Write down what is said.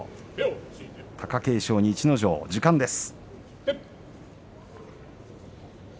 貴景勝に逸ノ城、時間です。